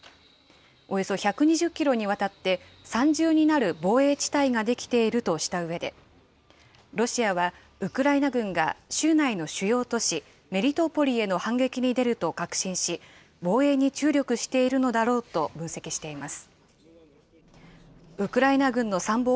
およそ１２０キロにわたって、３重になる防衛地帯ができているとしたうえで、ロシアは、ウクライナ軍が、州内の主要都市メリトポリへの反撃に出ると確信し、防衛に注力しているのだろうと分析しています。